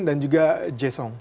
dan juga jae sung